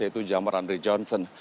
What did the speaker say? yaitu jamar andre johnson